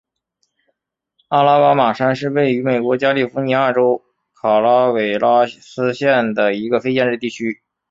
阿拉巴马山是位于美国加利福尼亚州卡拉韦拉斯县的一个非建制地区。